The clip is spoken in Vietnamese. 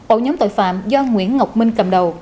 ổ nhóm tội phạm do nguyễn ngọc minh cầm đầu